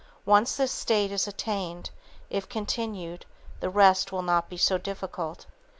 Once this state is attained, if continued the rest will not be so difficult.